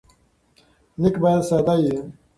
لیک باید ساده وي.